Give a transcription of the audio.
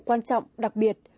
quan trọng đặc biệt